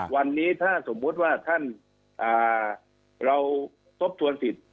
วันนี้ถ้าสมมุติว่าท่านเราทบทวนสิทธิ์